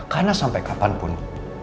karena sampai kapanpun